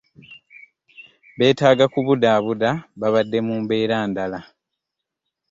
Beetaga kubudaabuda babadde mu mbeera ndala.